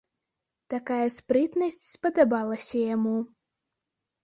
Такая спрытнасць спадабалася яму.